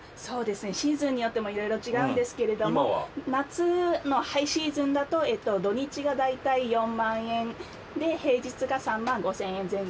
シーズンによっても色々違うんですけれども夏のハイシーズンだと土日がだいたい４万円で平日が３万５，０００円前後。